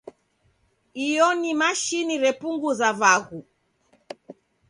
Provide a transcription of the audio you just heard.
Io ni mashini repunguza vaghu.